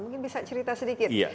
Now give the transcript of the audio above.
mungkin bisa cerita sedikit